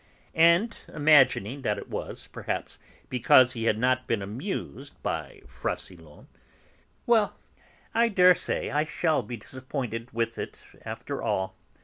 And, imagining that it was, perhaps, because he had not been amused by Francillon: "Well, I daresay I shall be disappointed with it, after all.